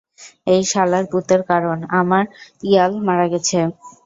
এই শালারপুতের কারন, আমার ইয়াল মারা গেছে।